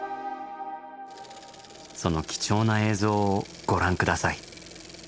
その貴重な映像をご覧下さい。